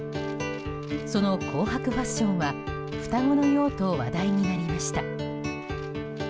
その紅白ファッションは双子のようと話題になりました。